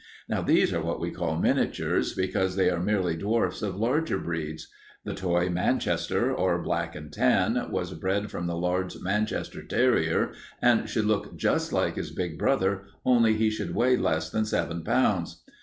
"Now these are what we call miniatures, because they are merely dwarfs of larger breeds. The toy Manchester or black and tan was bred from the large Manchester terrier and should look just like his big brother, only he should weigh less than seven pounds.